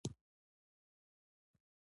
همداسې د غزنی ولایت د هزاره میشتو سیمو